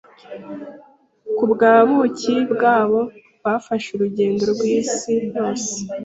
Kubwa buki bwabo bafashe urugendo kwisi yose.